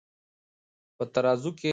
آیا په ترازو کې درغلي کیدی سی؟